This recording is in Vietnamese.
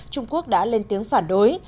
trung quốc đã lên tiếng phản đối